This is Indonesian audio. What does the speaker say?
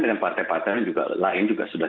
dengan partai partai juga lain juga sudah